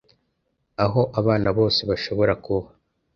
Aho abana bose bashobora kuba